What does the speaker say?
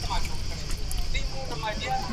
ده خپلې عینکې په خپلو سترګو کې برابرې کړې.